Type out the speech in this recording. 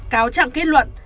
cáo trạng kết luận